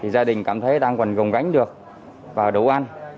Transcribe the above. gia đình cảm thấy đang còn gồng gánh được vào đồ ăn